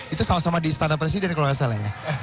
itu sama sama di standar presiden kalau nggak salah ya